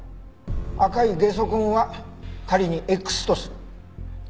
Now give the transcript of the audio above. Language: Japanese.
赤いゲソ痕は仮にＸとする。